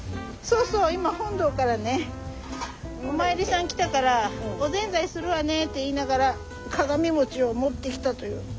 そうそう今本堂からねお参りさん来たから「おぜんざいするわね」って言いながら鏡餅を持ってきたという。